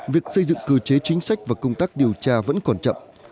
việc xây dựng cơ chế chính sách và công tác điều tra vẫn còn chậm